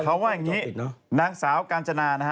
เขาว่าอย่างนี้นางสาวกาญจนานะฮะ